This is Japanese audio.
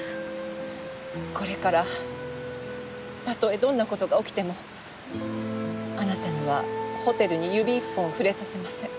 これからたとえどんな事が起きてもあなたにはホテルに指一本触れさせません。